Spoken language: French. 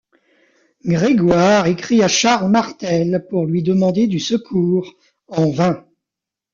Grégoire écrit à Charles Martel pour lui demander du secours, en vain.